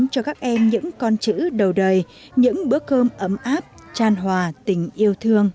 cho các em những con chữ đầu đời những bữa cơm ấm áp tràn hòa tình yêu thương